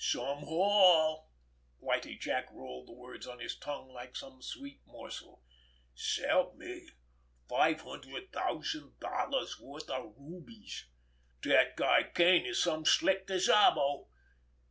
"Some haul!" Whitie Jack rolled the words on his tongue like some sweet morsel. "S'help me! Five hundred thousand dollars' worth of rubies! Dat guy Kane is some slick gazabo!